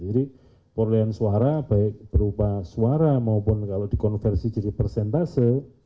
jadi perlian suara baik berupa suara maupun kalau dikonversi jadi persentase